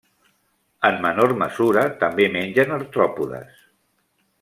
En menor mesura també mengen artròpodes.